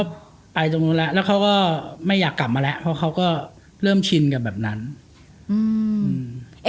ก็ไปตรงนู้นแล้วแล้วเขาก็ไม่อยากกลับมาแล้วเพราะเขาก็เริ่มชินกับแบบนั้นอืม